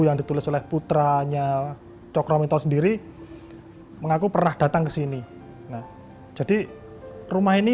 yang ditulis oleh putranya cokro minto sendiri mengaku pernah datang ke sini nah jadi rumah ini